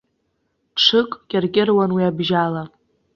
Ҽык кьыркьыруан, уи абжьала.